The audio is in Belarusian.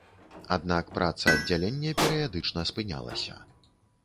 Аднак праца аддзялення перыядычна спынялася.